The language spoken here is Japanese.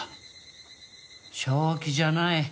正気じゃない。